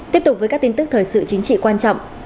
tiếp tục với các tin tức thời sự chính trị quan trọng